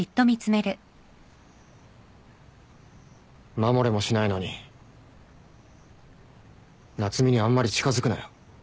守れもしないのに夏海にあんまり近づくなよ。